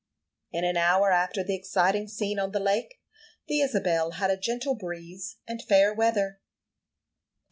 In an hour after the exciting scene on the lake, the Isabel had a gentle breeze and fair weather.